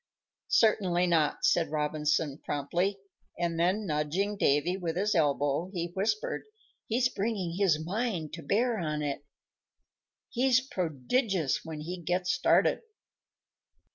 "Certainly not," said Robinson, promptly; then, nudging Davy with his elbow, he whispered, "He's bringing his mind to bear on it. He's prodigious when he gets started!"